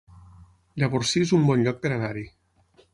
Llavorsí es un bon lloc per anar-hi